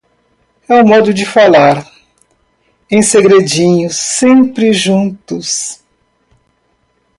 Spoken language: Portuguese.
É um modo de falar. Em segredinhos, sempre juntos.